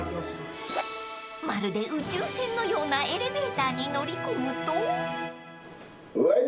［まるで宇宙船のようなエレベーターに乗り込むと］